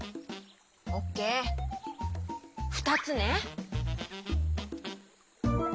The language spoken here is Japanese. オッケーふたつね。